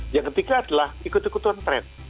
yang ketiga adalah ikut ikut trend